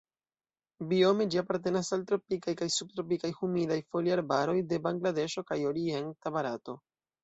Biome ĝi apartenas al tropikaj kaj subtropikaj humidaj foliarbaroj de Bangladeŝo kaj orienta Barato.